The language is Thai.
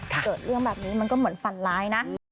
เกิดเรื่องแบบนี้มันก็เหมือนฝันร้ายนะ